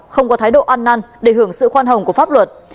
không có thái độ ăn năn để hưởng sự khoan hồng của pháp luật